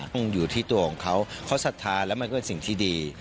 คงอยู่ที่ตัวของเขาเขาศรัทธาแล้วมันก็เป็นสิ่งที่ดี